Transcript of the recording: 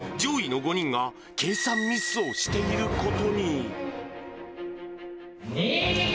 つまり上位の５人が計算ミスをしていることに。